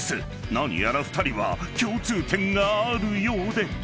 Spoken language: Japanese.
［何やら２人は共通点があるようで］